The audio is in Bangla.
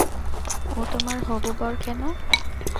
ও তোমার হবু বর কেন?